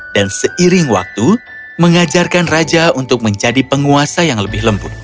dan seiring waktu mengajarkan raja untuk menjadi penguasa yang lebih lembut